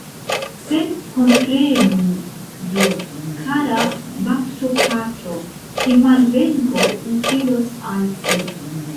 Sed komprenu do, kara baptopatro, ke malvenko utilos al ci.